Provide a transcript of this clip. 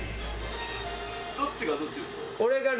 どっちがどっちですか？